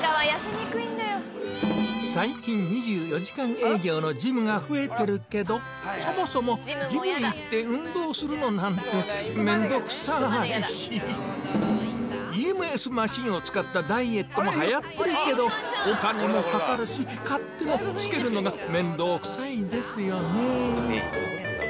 最近２４時間営業のジムが増えてるけどそもそもＥＭＳマシンを使ったダイエットもはやってるけどお金もかかるし買ってもつけるのが面倒くさいですよね